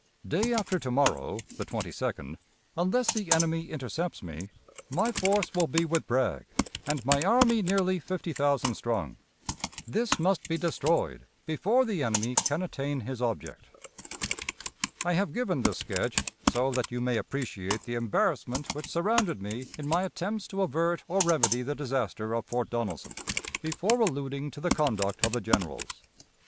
Day after to morrow (the 22d), unless the enemy intercepts me, my force will be with Bragg, and my army nearly fifty thousand strong. This must be destroyed before the enemy can attain his object. "I have given this sketch, so that you may appreciate the embarrassment which surrounded me in my attempts to avert or remedy the disaster of Fort Donelson, before alluding to the conduct of the generals.